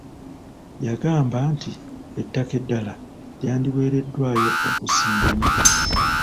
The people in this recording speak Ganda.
Yagamba nti ettaka eddala lyandiweereddayo okusimba emiti.